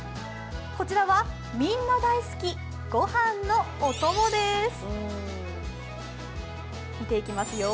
こちらはみんな大好き御飯のお供です。